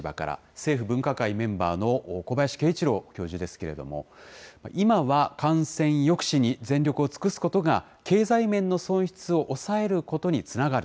政府分科会メンバーの小林慶一郎教授ですけれども、今は感染抑止に全力を尽くすことが、経済面の損失を抑えることにつながる。